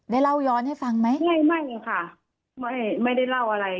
เล่าย้อนให้ฟังไหมไม่ไม่ค่ะไม่ไม่ได้เล่าอะไร